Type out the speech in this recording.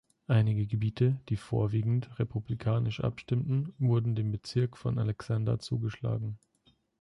Einige Gebiete, die vorwiegend republikanisch abstimmten, wurden dem Bezirk von Alexander zugeschlagen.